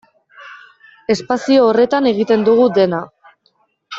Espazio horretan egiten dugu dena.